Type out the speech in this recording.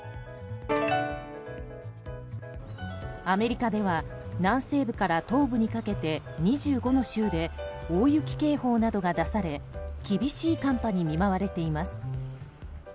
アメリカでは南西部から東部にかけて２５の州で大雪警報などが出され厳しい寒波に見舞われています。